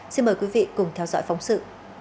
xin mời quý vị cùng theo dõi phóng sự